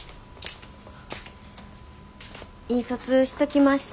印刷しときました。